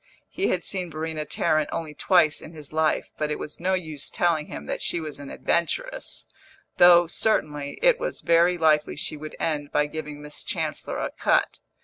He had seen Verena Tarrant only twice in his life, but it was no use telling him that she was an adventuress though, certainly, it was very likely she would end by giving Miss Chancellor a cut.